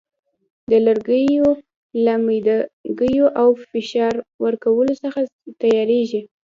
د لرګیو له میده ګیو او فشار ورکولو څخه تیاریږي.